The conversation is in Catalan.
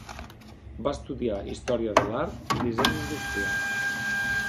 Va estudiar Història de l'art i Disseny industrial.